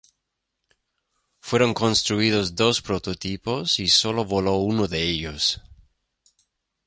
Fueron construidos dos prototipos, y sólo voló uno de ellos.